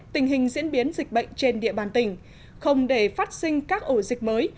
tình hình diễn biến dịch bệnh trên địa bàn tỉnh không để phát sinh các ổ dịch mới